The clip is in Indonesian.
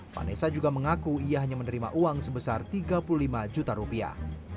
vanessa juga mengaku ia hanya menerima uang sebesar tiga puluh lima juta rupiah